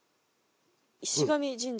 「石神神社」？